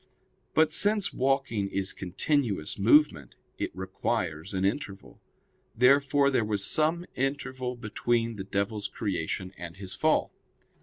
But since walking is continuous movement, it requires an interval. Therefore there was some interval between the devil's creation and his fall.